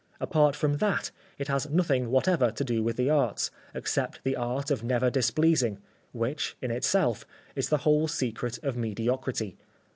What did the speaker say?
Apart from that, it has nothing whatever to do with the arts, except the art of never displeasing, which, in itself, is the whole secret of mediocrity.